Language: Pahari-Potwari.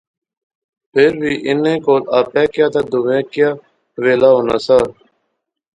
فیر وی انیں کول آپے کیا تہ دویاں کی ویلا ہونا سا